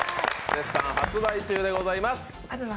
絶賛発売中でございます。